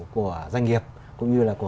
của doanh nghiệp cũng như là của